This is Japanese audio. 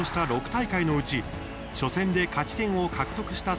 ６大会のうち初戦で勝ち点を獲得した